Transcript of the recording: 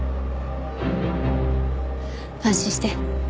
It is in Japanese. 安心して。